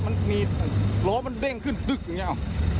นี่ล่ะค่ะ